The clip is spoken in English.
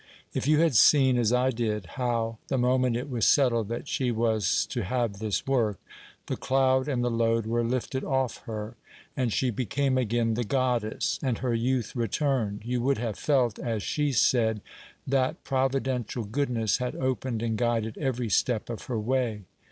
If you had seen, as I did, how, the moment it was settled that she was to have this work, the cloud and the load were lifted off her, and she became again the Goddess and her youth returned, you would have felt, as she said, that Providential Goodness had opened and guided every step of her way.